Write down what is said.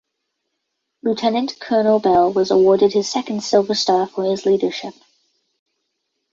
Lieutenant Colonel Bell was awarded his second Silver Star for his leadership.